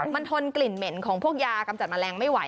มันทนกลิ่นเหม็นของพวกยากำจัดแมลงไม่ไหว